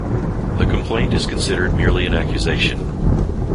The complaint is considered merely an accusation.